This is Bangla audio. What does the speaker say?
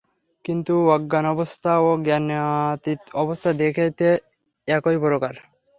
কিন্তু অজ্ঞানাবস্থা ও জ্ঞানাতীত অবস্থা দেখিতে একই প্রকার।